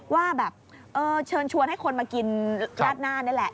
ว่าแบบเชิญชวนให้คนมากินราดหน้านี่แหละ